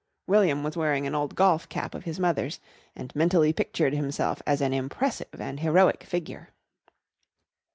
William was wearing an old golf cap of his mother's, and mentally pictured himself as an impressive and heroic figure.